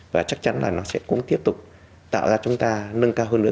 và chắc chắn là nó sẽ cũng tiếp tục tạo ra chúng ta nâng cao hơn nữa